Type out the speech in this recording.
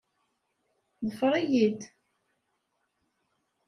Ḍfer-iyi-d!